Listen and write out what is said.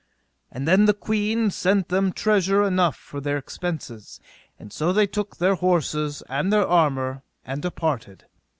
And then the queen sent them treasure enough for their expenses, and so they took their horses and their armour, and departed.